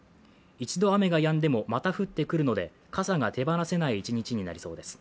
一度雨がやんでもまた降ってくるので傘が手放せない１日になりそうです